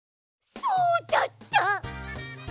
そうだった！